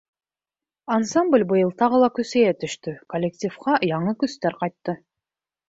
Ансамбль быйыл тағы ла көсәйә төштө, коллективҡа яңы көстәр ҡайтты.